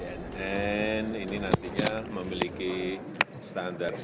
bnn ini nantinya memiliki standar standar